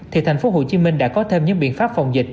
thì thành phố hồ chí minh đã có thêm những biện pháp phòng dịch